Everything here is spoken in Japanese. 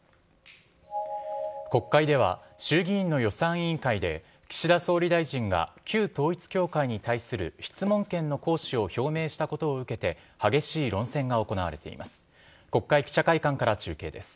国会では、衆議院の予算委員会で岸田総理大臣が、旧統一教会に対する質問権の行使を表明したことを受けて、激しい論戦が行われています。